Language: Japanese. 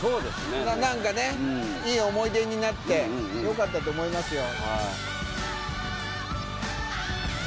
もう何かねいい思い出になってよかったと思いますよ